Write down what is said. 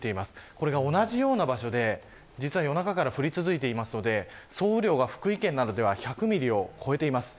これが同じような場所で夜中から降り続いていますので総雨量が福井県などでは１００ミリを超えています。